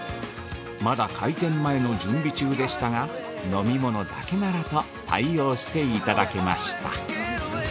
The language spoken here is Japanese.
まだ開店前の準備中でしたが飲み物だけならと対応していただけました。